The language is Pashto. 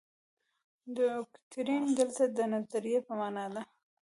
دوکتورین دلته د نظریې په معنا دی.